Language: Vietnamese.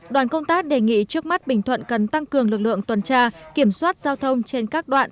đoàn công tác đề nghị trước mắt bình thuận cần tăng cường lực lượng tuần tra kiểm soát giao thông trên các đoạn